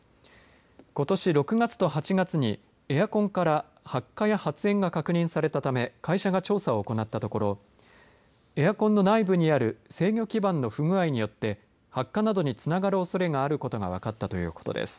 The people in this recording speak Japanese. ことし６月と８月にエアコンから発火や発煙が確認されたため会社が調査を行ったところエアコンの内部にある制御基板の不具合によって発火などにつながるおそれがあることが分かったということです。